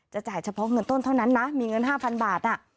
จะจ่ายเฉพาะเงินต้นเท่านั้นนะมีเงินห้าพันบาทอ่ะ